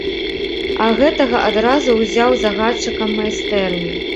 А гэтага адразу ўзяў загадчыкам майстэрні.